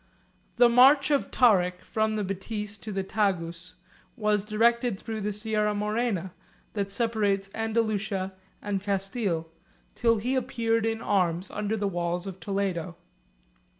The march of Tarik from the Boetis to the Tagus,177 was directed through the Sierra Morena, that separates Andalusia and Castille, till he appeared in arms under the walls of Toledo.